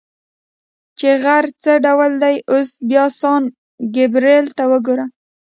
چې غر څه ډول دی، اوس بیا سان ګبرېل ته وګوره.